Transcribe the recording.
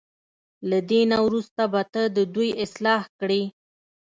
له دې نه وروسته به ته د دوی اصلاح کړې.